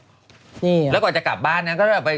แล้วก่อนจะกลับบ้านก็จะไป